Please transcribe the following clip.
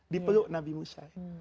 dipeluk nabi musa'i